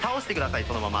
そのまま。